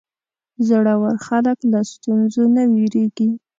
زړور خلک له ستونزو نه وېرېږي.